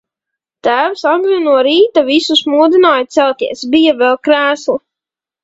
Tēvs agri no rīta visus modināja celties, bija vēl krēsla.